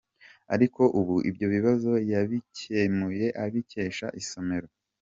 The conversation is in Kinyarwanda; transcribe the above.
Ariko ubu ibyo bibazo yabikemuye abikesha isomero.